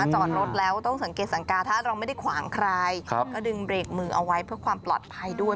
จอดรถแล้วต้องสังเกตสังกาถ้าเราไม่ได้ขวางใครก็ดึงเบรกมือเอาไว้เพื่อความปลอดภัยด้วย